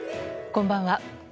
こんばんは。